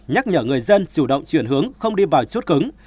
nhắc nhở người dân chủ động chuyển hướng không đi vào chốt cứng